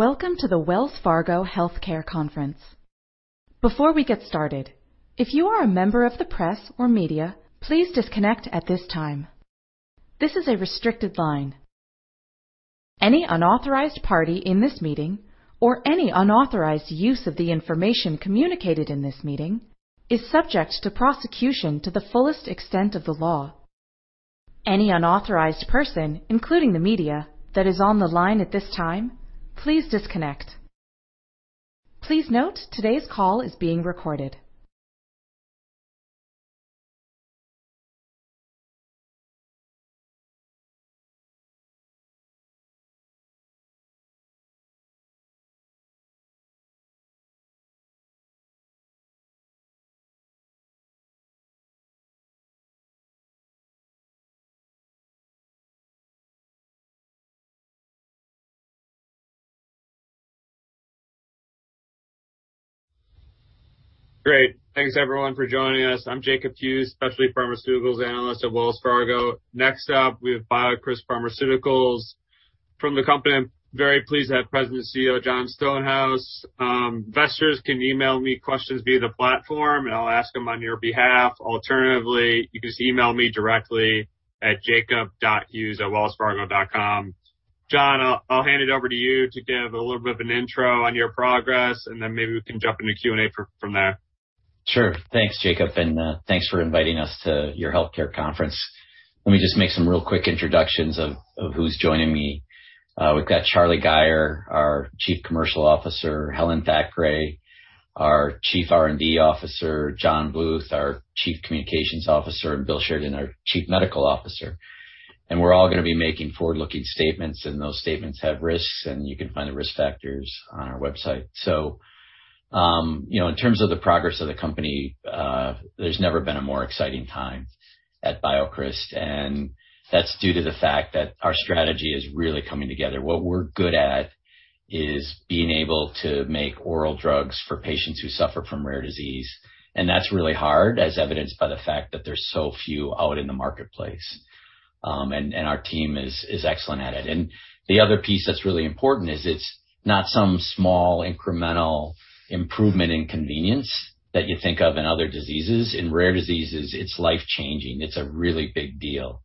Welcome to the Wells Fargo Healthcare Conference. Before we get started, if you are a member of the press or media, please disconnect at this time. This is a restricted line. Any unauthorized party in this meeting or any unauthorized use of the information communicated in this meeting is subject to prosecution to the fullest extent of the law. Any unauthorized person, including the media, that is on the line at this time, please disconnect. Please note, today's call is being recorded. Great. Thanks, everyone, for joining us. I'm Jacob Hughes, specialty pharmaceuticals analyst at Wells Fargo. Next up, we have BioCryst Pharmaceuticals. From the company, I'm very pleased to have President and CEO Jon Stonehouse. Investors can email me questions via the platform, and I'll ask them on your behalf. Alternatively, you can just email me directly at jacob.hughes@wellsfargo.com. Jon, I'll hand it over to you to give a little bit of an intro on your progress, and then maybe we can jump into Q&A from there. Sure. Thanks, Jacob, and thanks for inviting us to your healthcare conference. Let me just make some real quick introductions of who's joining me. We've got Charlie Gayer, our Chief Commercial Officer, Helen Thackray, our Chief R&D Officer, John Bluth, our Chief Communications Officer, and Bill Sheridan, our Chief Medical Officer. We're all going to be making forward-looking statements, and those statements have risks, and you can find the risk factors on our website. In terms of the progress of the company, there's never been a more exciting time at BioCryst, and that's due to the fact that our strategy is really coming together. What we're good at is being able to make oral drugs for patients who suffer from rare disease, and that's really hard, as evidenced by the fact that there's so few out in the marketplace. Our team is excellent at it. The other piece that's really important is it's not some small incremental improvement in convenience that you think of in other diseases. In rare diseases, it's life-changing. It's a really big deal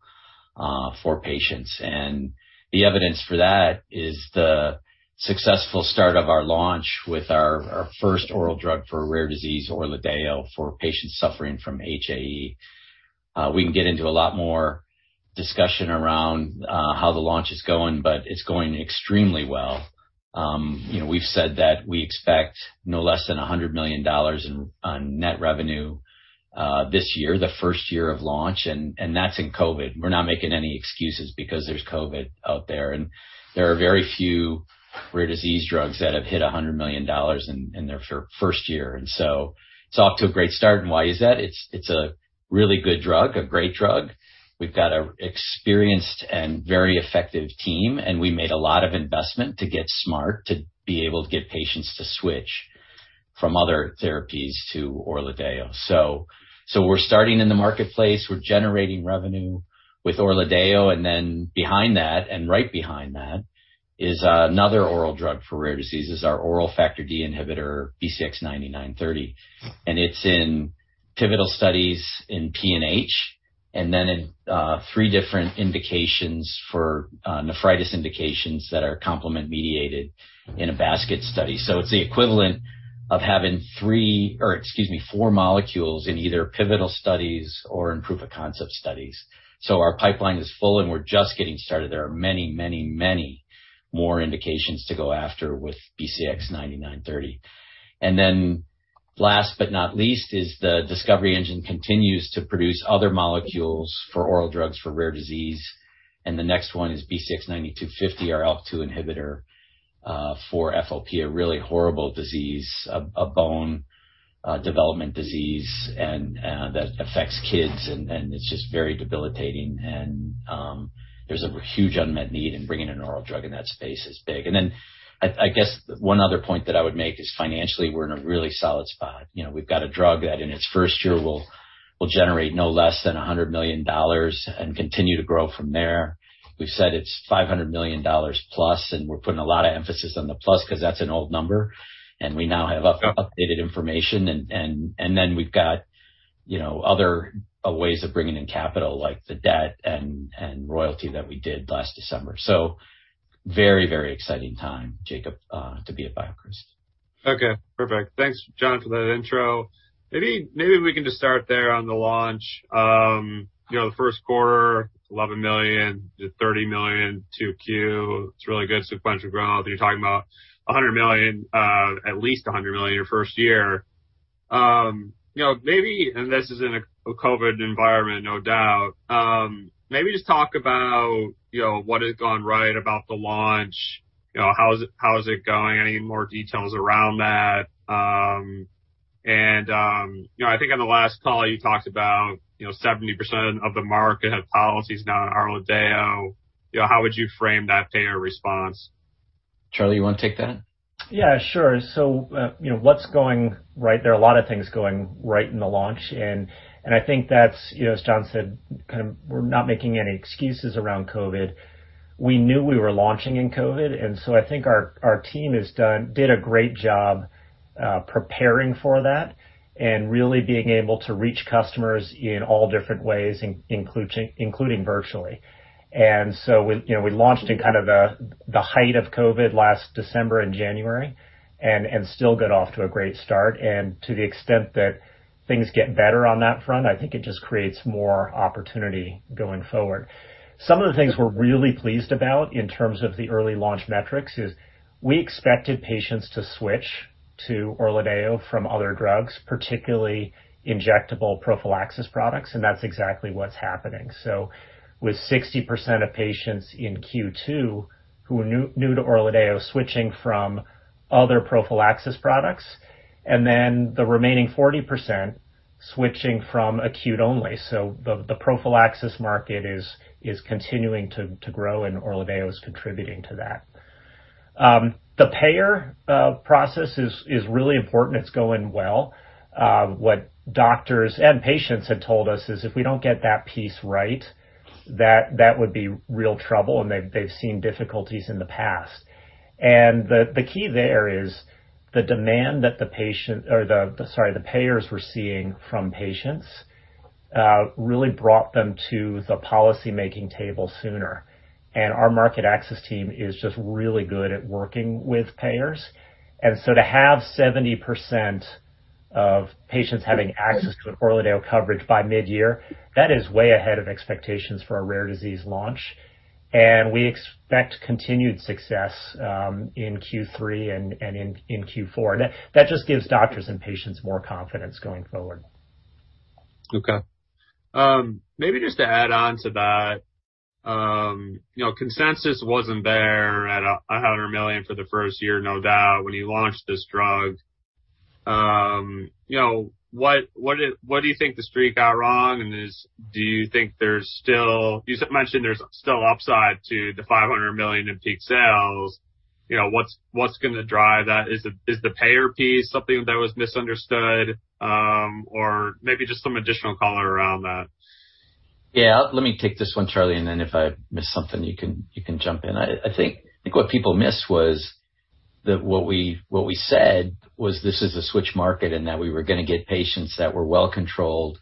for patients. The evidence for that is the successful start of our launch with our first oral drug for a rare disease, ORLADEYO, for patients suffering from HAE. We can get into a lot more discussion around how the launch is going, but it's going extremely well. We've said that we expect no less than $100 million on net revenue this year, the first year of launch, and that's in COVID. We're not making any excuses because there's COVID out there, and there are very few rare disease drugs that have hit $100 million in their first year. It's off to a great start. Why is that? It's a really good drug, a great drug. We've got an experienced and very effective team, and we made a lot of investment to get smart, to be able to get patients to switch from other therapies to ORLADEYO. We're starting in the marketplace. We're generating revenue with ORLADEYO, and then right behind that is another oral drug for rare diseases, our oral Factor D inhibitor, BCX9930. It's in pivotal studies in PNH and then in three different indications for nephritis indications that are complement-mediated in a basket study. It's the equivalent of having three, or excuse me, four molecules in either pivotal studies or in proof of concept studies. Our pipeline is full and we're just getting started. There are many more indications to go after with BCX9930. Last but not least is the discovery engine continues to produce other molecules for oral drugs for rare disease, the next one is BCX9250, our ALK-2 inhibitor for FOP, a really horrible disease, a bone development disease, that affects kids and it's just very debilitating. There's a huge unmet need, bringing an oral drug in that space is big. I guess one other point that I would make is financially, we're in a really solid spot. We've got a drug that in its first year will generate no less than $100 million and continue to grow from there. We've said it's +$500 million, we're putting a lot of emphasis on the plus because that's an old number, we now have updated information. We've got other ways of bringing in capital like the debt and royalty that we did last December. Very, very exciting time, Jacob, to be at BioCryst. Okay, perfect. Thanks, Jon, for that intro. We can just start there on the launch. The first quarter, $11 million-$30 million, 2Q, it's really good sequential growth, and you're talking about $100 million, at least $100 million your first year. This is in a COVID environment, no doubt, just talk about what has gone right about the launch, how is it going, any more details around that. I think on the last call, you talked about 70% of the market have policies now on ORLADEYO. How would you frame that payer response? Charlie, you want to take that? Yeah, sure. What's going right? There are a lot of things going right in the launch, and I think that's, as Jon said, we're not making any excuses around COVID. We knew we were launching in COVID, I think our team did a great job preparing for that and really being able to reach customers in all different ways, including virtually. We launched in the height of COVID last December and January and still got off to a great start. To the extent that things get better on that front, I think it just creates more opportunity going forward. Some of the things we're really pleased about in terms of the early launch metrics is we expected patients to switch to ORLADEYO from other drugs, particularly injectable prophylaxis products, that's exactly what's happening. With 60% of patients in Q2 who are new to ORLADEYO switching from other prophylaxis products, and the remaining 40% switching from acute-only. The prophylaxis market is continuing to grow, and ORLADEYO is contributing to that. The payer process is really important. It's going well. What doctors and patients have told us is if we don't get that piece right, that would be real trouble, and they've seen difficulties in the past. The key there is the demand that the payers were seeing from patients really brought them to the policy-making table sooner. Our market access team is just really good at working with payers. To have 70% of patients having access to an ORLADEYO coverage by mid-year, that is way ahead of expectations for a rare disease launch. We expect continued success in Q3 and in Q4. That just gives doctors and patients more confidence going forward. Okay. Maybe just to add on to that. Consensus wasn't there at $100 million for the first year, no doubt, when you launched this drug. What do you think the Street got wrong? You mentioned there's still upside to the $500 million in peak sales. What's going to drive that? Is the payer piece something that was misunderstood? Maybe just some additional color around that. Yeah. Let me take this one, Charlie, and then if I miss something, you can jump in. I think what people missed was that what we said was this is a switch market and that we were going to get patients that were well-controlled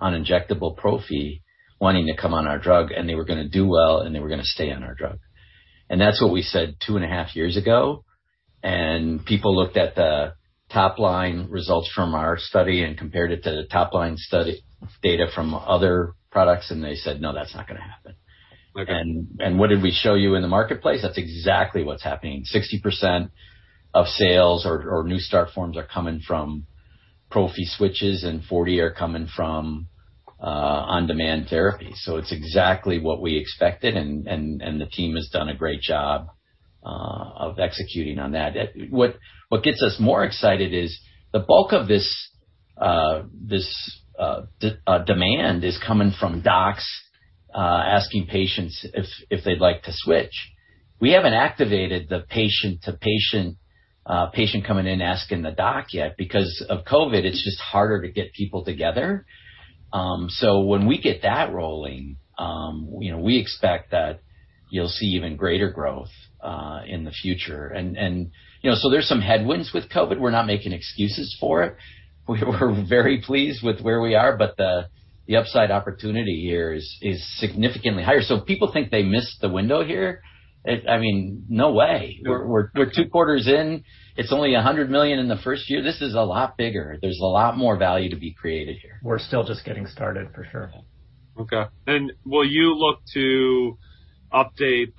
on injectable prophy wanting to come on our drug, and they were going to do well, and they were going to stay on our drug. That's what we said 2.5 years ago, and people looked at the top-line results from our study and compared it to the top-line study data from other products, and they said, "No, that's not going to happen. Okay. What did we show you in the marketplace? That's exactly what's happening. 60% of sales or new start forms are coming from prophy switches, and 40% are coming from on-demand therapy. It's exactly what we expected, and the team has done a great job of executing on that. What gets us more excited is the bulk of this demand is coming from docs asking patients if they'd like to switch. We haven't activated the patient-to-patient, patient coming in asking the doc yet. Because of COVID, it's just harder to get people together. When we get that rolling, we expect that you'll see even greater growth in the future. There's some headwinds with COVID. We're not making excuses for it. We're very pleased with where we are, but the upside opportunity here is significantly higher. If people think they missed the window here, no way. We're two quarters in. It's only $100 million in the first year. This is a lot bigger. There's a lot more value to be created here. We're still just getting started, for sure. Okay. Will you look to update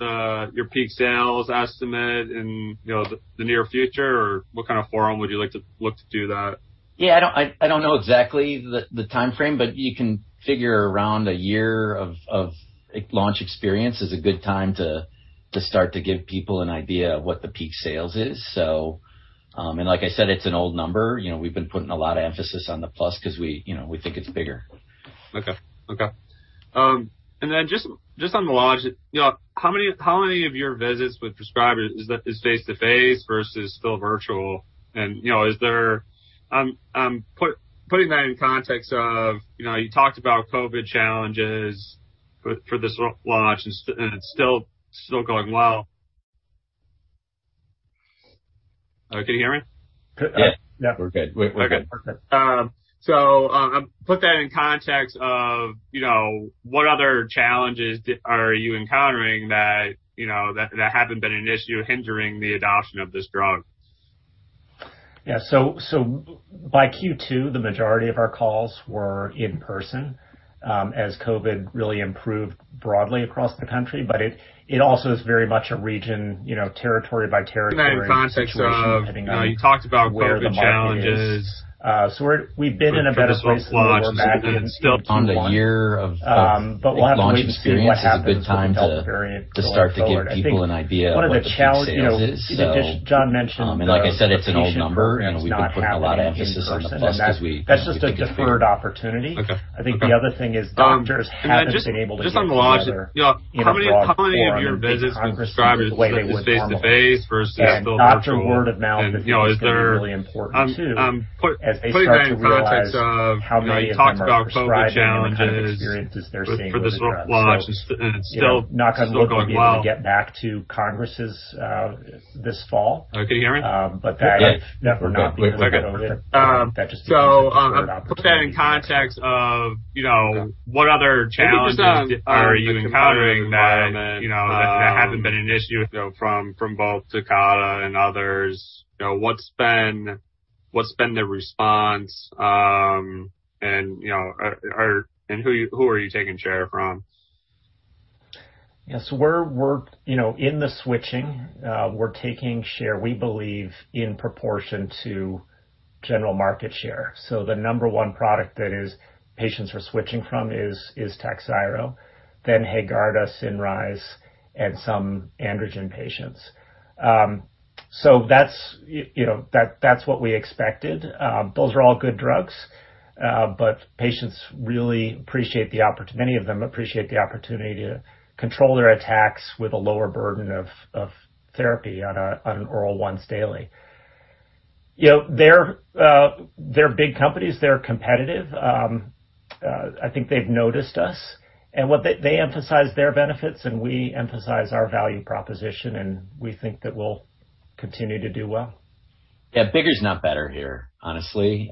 your peak sales estimate in the near future? What kind of forum would you look to do that? Yeah. I don't know exactly the timeframe, but you can figure around a year of launch experience is a good time to start to give people an idea of what the peak sales is. Like I said, it's an old number. We've been putting a lot of emphasis on the plus because we think it's bigger. Okay. Just on the launch, how many of your visits with prescribers is face-to-face versus still virtual? Putting that in context of, you talked about COVID challenges for this launch, and it's still going well. Can you hear me? Yeah. Yeah. We're good. Okay, perfect. Put that in context of what other challenges are you encountering that haven't been an issue hindering the adoption of this drug? Yeah. By Q2, the majority of our calls were in person, as COVID really improved broadly across the country. It also is very much a region, territory by territory situation having a where the market is. We've been in a better place than we were back in Q1. We'll have to wait and see what happens with the Delta variant going forward. I think one of the challenges, Jon mentioned the locator program is not happening in person, and that's just a deferred opportunity. Okay. I think the other thing is doctors haven't been able to get together in a broad forum and meet congresses the way they would normally. Yeah. Doctor word of mouth I think is going to be really important too, as they start to realize how many of them are prescribing it and what kind of experiences they're seeing with the drug. Knock on wood, we'll be able to get back to congresses this fall. Okay, can you hear me? Yeah. Okay, perfect. Put that in context of what other challenges are you encountering that haven't been an issue from both Takeda and others? What's been the response, and who are you taking share from? We're in the switching. We're taking share, we believe, in proportion to general market share. The number one product that is patients are switching from is TAKHZYRO, then HAEGARDA, Cinryze, and some androgen patients. That's what we expected. Those are all good drugs, but patients really appreciate the opportunity. Many of them appreciate the opportunity to control their attacks with a lower burden of therapy on an oral once daily. They're big companies. They're competitive. I think they've noticed us, and they emphasize their benefits, and we emphasize our value proposition, and we think that we'll continue to do well. Yeah, bigger is not better here, honestly.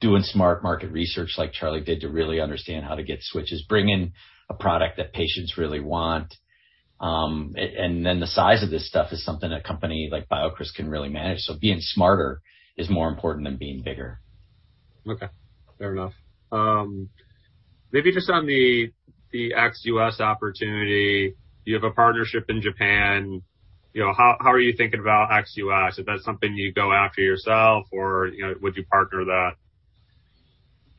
Doing smart market research like Charlie did to really understand how to get switches, bring in a product that patients really want, and then the size of this stuff is something a company like BioCryst can really manage. Being smarter is more important than being bigger. Okay. Fair enough. Maybe just on the ex-U.S. opportunity, you have a partnership in Japan. How are you thinking about ex-U.S.? Is that something you'd go after yourself, or would you partner that?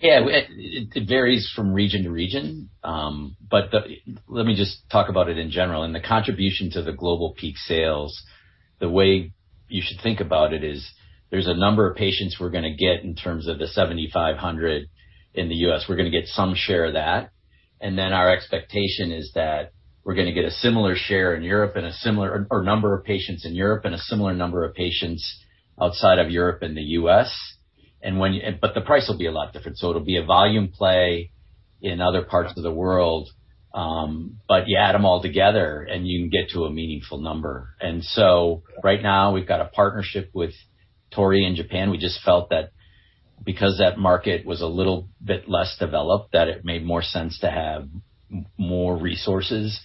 Yeah. It varies from region to region. Let me just talk about it in general. In the contribution to the global peak sales, the way you should think about it is there's a number of patients we're going to get in terms of the 7,500 in the U.S. Then our expectation is that we're going to get a similar share in Europe and a similar number of patients in Europe, and a similar number of patients outside of Europe and the U.S. The price will be a lot different. It'll be a volume play in other parts of the world. You add them all together, and you can get to a meaningful number. Right now, we've got a partnership with Torii in Japan. We just felt that because that market was a little bit less developed, that it made more sense to have more resources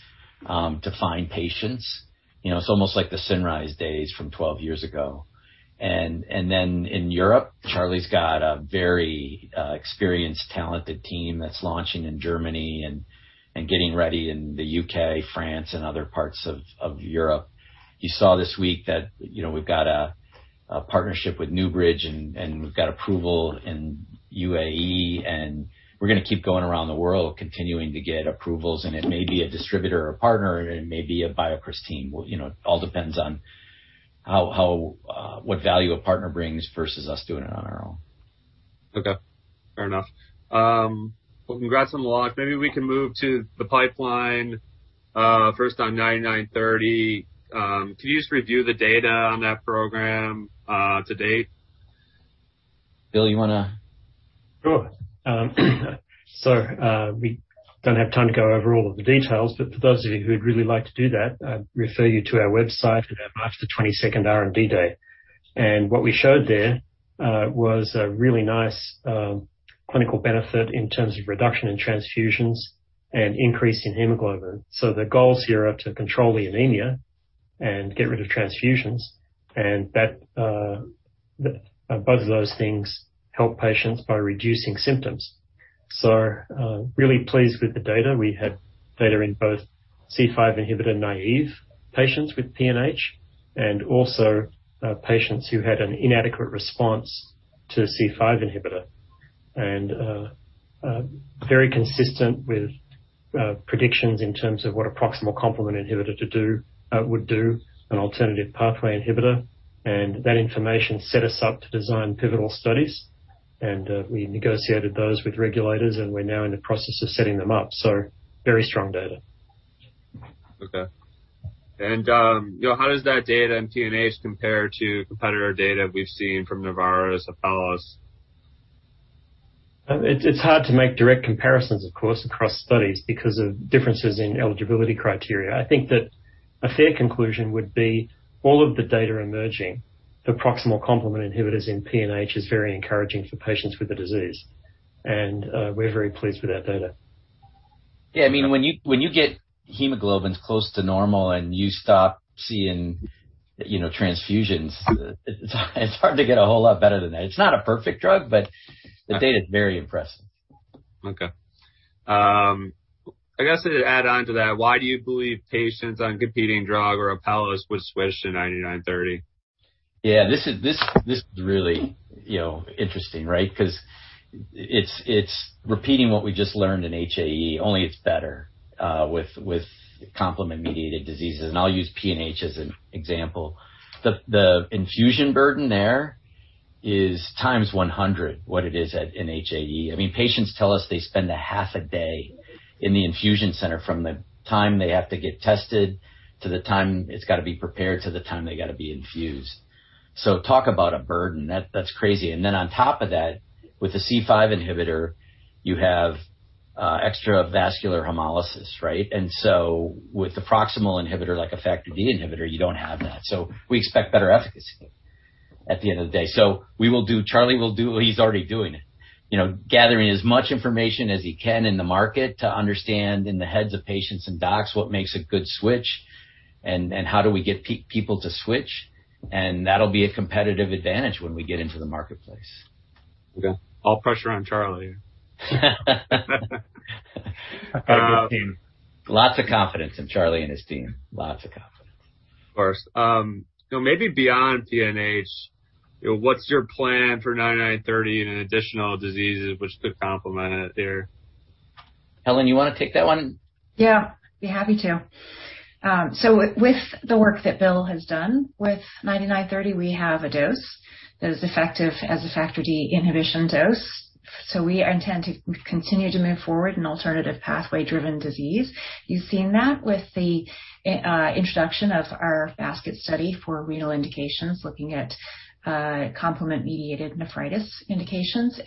to find patients. It's almost like the Cinryze days from 12 years ago. In Europe, Charlie's got a very experienced, talented team that's launching in Germany and getting ready in the U.K., France, and other parts of Europe. You saw this week that we've got a partnership with NewBridge, and we've got approval in UAE, and we're going to keep going around the world, continuing to get approvals, and it may be a distributor or partner, it may be a BioCryst team. It all depends on what value a partner brings versus us doing it on our own. Okay. Fair enough. Well, congrats on the launch. Maybe we can move to the pipeline. First on BCX9930. Can you just review the data on that program to date? Bill, you want to- Sure. We don't have time to go over all of the details, but for those of you who'd really like to do that, I'd refer you to our website at our March the 22nd R&D date. What we showed there was a really nice clinical benefit in terms of reduction in transfusions and increase in hemoglobin. The goals here are to control the anemia and get rid of transfusions, and both of those things help patients by reducing symptoms. Really pleased with the data. We had data in both C5 inhibitor naive patients with PNH and also patients who had an inadequate response to C5 inhibitor. Very consistent with predictions in terms of what a proximal complement inhibitor would do, an alternative pathway inhibitor. That information set us up to design pivotal studies, and we negotiated those with regulators, and we're now in the process of setting them up. Very strong data. Okay. How does that data in PNH compare to competitor data we've seen from Novartis, Apellis? It's hard to make direct comparisons, of course, across studies because of differences in eligibility criteria. I think that a fair conclusion would be all of the data emerging for proximal complement inhibitors in PNH is very encouraging for patients with the disease. We're very pleased with our data. Yeah. When you get hemoglobins close to normal and you stop seeing transfusions, it's hard to get a whole lot better than that. It's not a perfect drug, but the data's very impressive. Okay. I guess to add on to that, why do you believe patients on competing drug or Apellis would switch to 9930? Yeah. This is really interesting, right? It's repeating what we just learned in HAE, only it's better with complement-mediated diseases, and I'll use PNH as an example. The infusion burden there is times 100 what it is in HAE. Patients tell us they spend a half a day in the infusion center from the time they have to get tested, to the time it's got to be prepared, to the time they got to be infused. Talk about a burden. That's crazy. On top of that, with the C5 inhibitor, you have extravascular hemolysis, right? With the proximal inhibitor, like a Factor D inhibitor, you don't have that. We expect better efficacy at the end of the day. Charlie. He's already doing it. Gathering as much information as he can in the market to understand in the heads of patients and docs what makes a good switch, and how do we get people to switch. That'll be a competitive advantage when we get into the marketplace. Okay. All pressure on Charlie and the team. Lots of confidence in Charlie and his team. Lots of confidence. Of course. Maybe beyond PNH, what's your plan for 9930 and additional diseases which could complement it there? Helen, you want to take that one? Yeah, be happy to. With the work that Bill has done with 9930, we have a dose that is effective as a Factor D inhibition dose. We intend to continue to move forward an alternative pathway-driven disease. You've seen that with the introduction of our basket study for renal indications, looking at complement-mediated nephritis indications.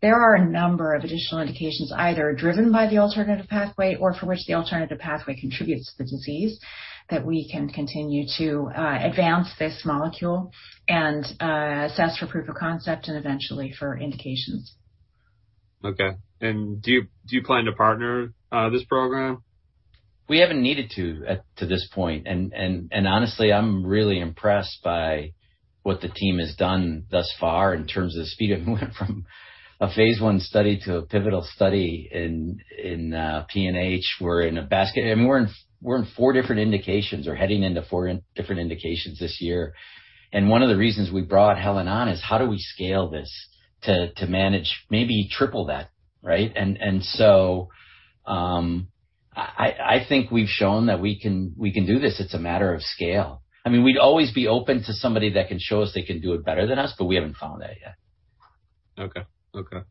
There are a number of additional indications, either driven by the alternative pathway or for which the alternative pathway contributes to the disease, that we can continue to advance this molecule and assess for proof of concept and eventually for indications. Okay. Do you plan to partner this program? We haven't needed to at this point. Honestly, I'm really impressed by what the team has done thus far in terms of the speed. We went from a phase I study to a pivotal study in PNH. We're in four different indications or heading into four different indications this year. One of the reasons we brought Helen on is how do we scale this to manage, maybe triple that, right? I think we've shown that we can do this. It's a matter of scale. We'd always be open to somebody that can show us they can do it better than us. We haven't found that yet. Okay.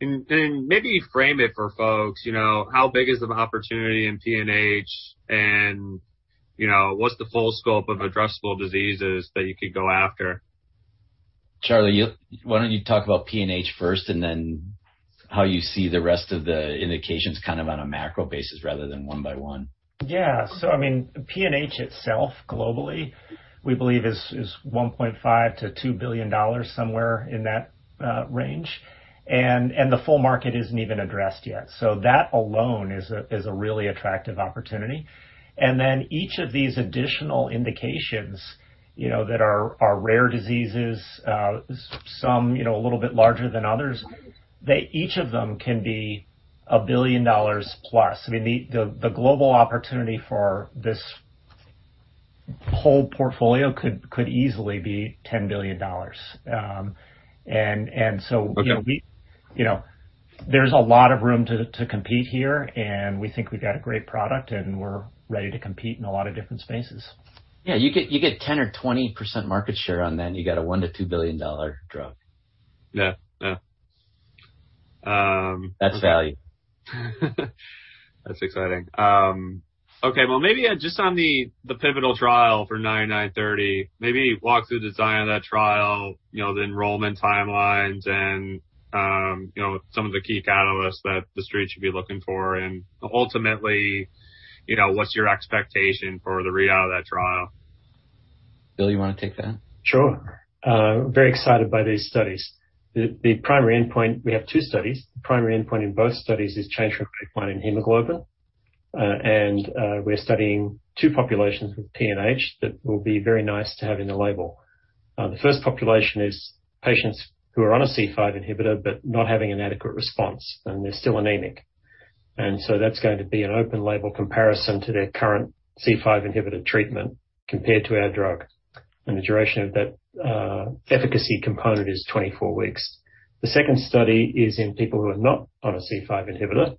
Maybe frame it for folks, how big is the opportunity in PNH and what's the full scope of addressable diseases that you could go after? Charlie, why don't you talk about PNH first and then how you see the rest of the indications on a macro basis rather than one by one. Yeah. PNH itself globally, we believe is $1.5 billion-$2 billion, somewhere in that range. The full market isn't even addressed yet. That alone is a really attractive opportunity. Each of these additional indications that are rare diseases, some a little bit larger than others, each of them can be a billion dollars plus. The global opportunity for this whole portfolio could easily be $10 billion. Okay. There's a lot of room to compete here, and we think we've got a great product, and we're ready to compete in a lot of different spaces. Yeah. You get 10% or 20% market share on that, you got a $1 billion-$2 billion drug. Yeah. That's value. That's exciting. Okay. Well, maybe just on the pivotal trial for 9930, maybe walk through the design of that trial, the enrollment timelines, and some of the key catalysts that The Street should be looking for. Ultimately, what's your expectation for the readout of that trial? Bill, you want to take that? Sure. Very excited by these studies. We have two studies. The primary endpoint in both studies is change from baseline in hemoglobin. We're studying two populations with PNH that will be very nice to have in the label. The first population is patients who are on a C5 inhibitor, but not having an adequate response, and they're still anemic. That's going to be an open-label comparison to their current C5 inhibitor treatment compared to our drug. The duration of that efficacy component is 24 weeks. The second study is in people who are not on a C5 inhibitor,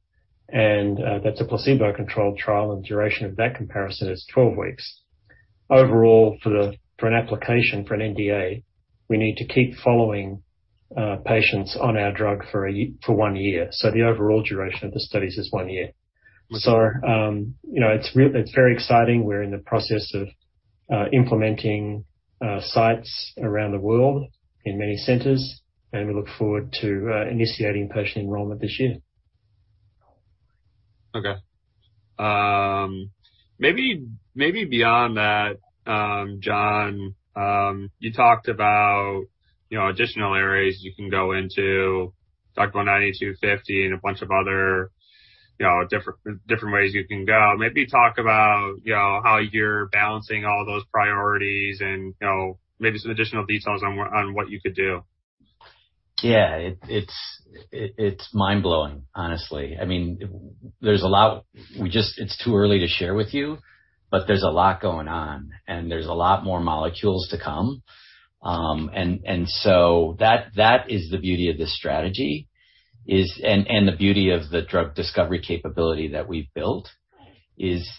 and that's a placebo-controlled trial, and duration of that comparison is 12 weeks. Overall, for an application for an NDA, we need to keep following patients on our drug for one-year. The overall duration of the studies is one-year. Okay. It's very exciting. We're in the process of implementing sites around the world in many centers, and we look forward to initiating patient enrollment this year. Okay. Maybe beyond that, Jon, you talked about additional areas you can go into. You talked about BCX9250 and a bunch of other different ways you can go. Maybe talk about how you're balancing all those priorities and maybe some additional details on what you could do. Yeah. It's mind-blowing, honestly. It's too early to share with you, but there's a lot going on, and there's a lot more molecules to come. That is the beauty of this strategy and the beauty of the drug discovery capability that we've built is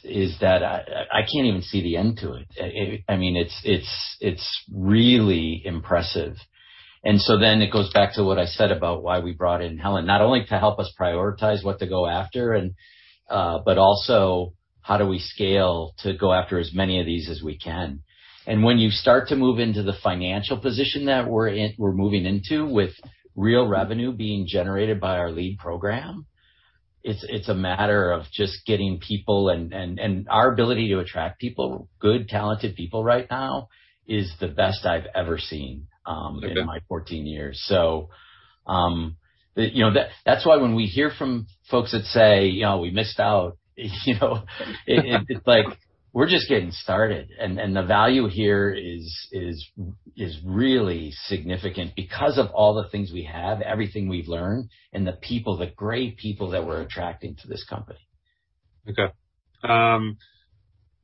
that I can't even see the end to it. It's really impressive. It goes back to what I said about why we brought in Helen, not only to help us prioritize what to go after, but also how do we scale to go after as many of these as we can. When you start to move into the financial position that we're moving into with real revenue being generated by our lead program, it's a matter of just getting people, and our ability to attract people, good, talented people right now is the best I've ever seen. Okay. in my 14 years. That's why when we hear from folks that say, "We missed out," we're just getting started. The value here is really significant because of all the things we have, everything we've learned, and the great people that we're attracting to this company. Okay.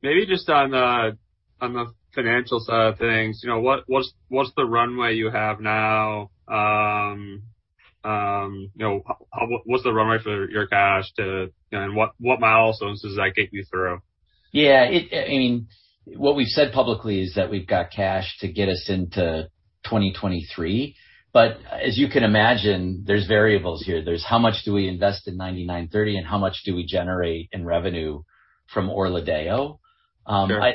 Maybe just on the financial side of things. What's the runway you have now? What's the runway for your cash to. What milestones does that get you through? Yeah. What we've said publicly is that we've got cash to get us into 2023. As you can imagine, there's variables here. There's how much do we invest in 9930, and how much do we generate in revenue from ORLADEYO. Sure.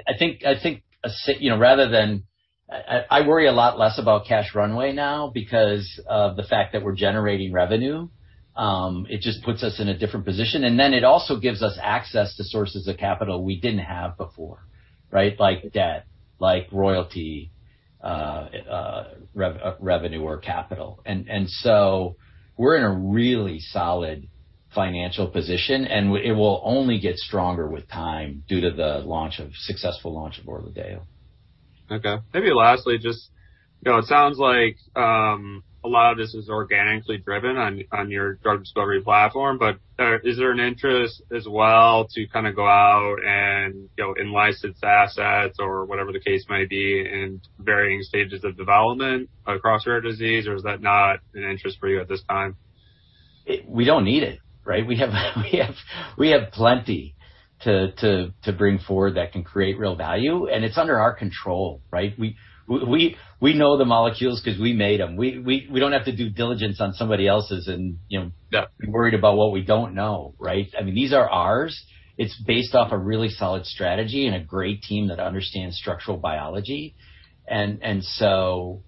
I worry a lot less about cash runway now because of the fact that we're generating revenue. It just puts us in a different position, and then it also gives us access to sources of capital we didn't have before, right? Like debt, like royalty revenue or capital. We're in a really solid financial position, and it will only get stronger with time due to the successful launch of ORLADEYO. Okay. Maybe lastly, it sounds like a lot of this is organically driven on your drug discovery platform, but is there an interest as well to go out and license assets or whatever the case may be in varying stages of development across rare disease, or is that not an interest for you at this time? We don't need it, right? We have plenty to bring forward that can create real value, and it's under our control, right? We know the molecules because we made them. We don't have to due diligence on somebody else's- Yeah. worried about what we don't know, right? These are ours. It's based off a really solid strategy and a great team that understands structural biology. No,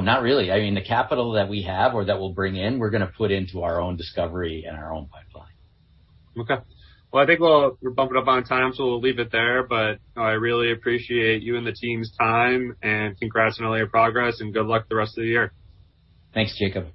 not really. The capital that we have or that we'll bring in, we're going to put into our own discovery and our own pipeline. Okay. Well, I think we're bumping up on time, we'll leave it there. I really appreciate you and the team's time, and congrats on all your progress, and good luck the rest of the year. Thanks, Jacob.